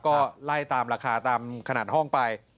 ก็ไล่ตามราคาตามขนาดห้องไป